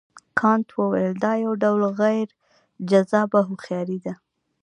کانت وویل دا یو ډول غیر جذابه هوښیاري ده.